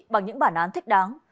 bằng những bản án thích đáng